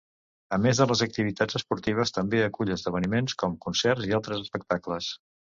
A més de les activitats esportives, també acull esdeveniments com concerts i altres espectacles.